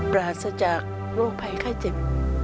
ปราศจากโรคภัยไข้เจ็บ